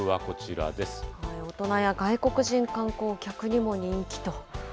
大人や外国人観光客にも人気と。